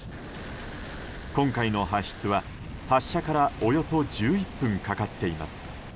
今回の発出は発射からおよそ１１分かかっています。